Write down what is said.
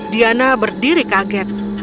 diana berdiri kaget